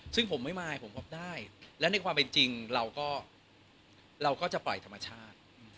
ซึ่งผมไม่มายผมพบได้และในความเป็นจริงเราก็เราก็จะปล่อยธรรมชาติ